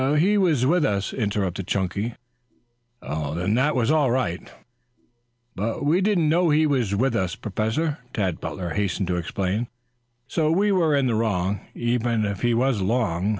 "He was with us," interrupted Chunky. "Then that was all right." "But we didn't know he was with us, Professor," Tad Butler hastened to explain. "So we were in the wrong, even if he was along.